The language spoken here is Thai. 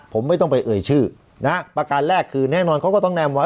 ผมไม่ต้องไปเอ่ยชื่อนะฮะประการแรกคือแน่นอนเขาก็ต้องแนมไว้